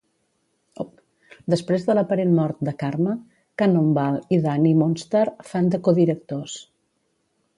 Després de l'aparent mort de Karma, Cannonball i Dani Moonstar fan de codirectors.